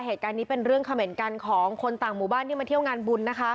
เหตุการณ์นี้เป็นเรื่องเขม่นกันของคนต่างหมู่บ้านที่มาเที่ยวงานบุญนะคะ